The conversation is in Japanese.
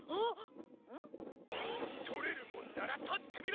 「取れるもんなら取ってみろ！」